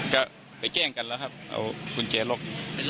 ก็ไปแจ้งกันแล้วครับเอากุญแจล็อก